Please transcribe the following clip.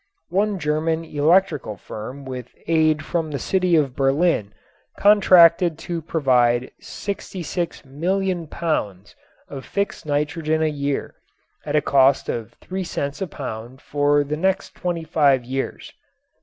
One German electrical firm with aid from the city of Berlin contracted to provide 66,000,000 pounds of fixed nitrogen a year at a cost of three cents a pound for the next twenty five years.